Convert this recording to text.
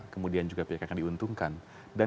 kemudian juga ppk akan diuntungkan dan